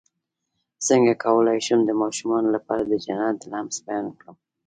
څنګه کولی شم د ماشومانو لپاره د جنت د لمس بیان کړم